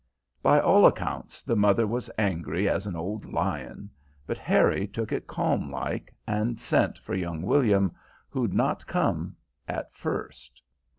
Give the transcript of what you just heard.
"By all accounts the mother was angry as an old lion, but Harry took it calm like and sent for young William, who'd not come at first.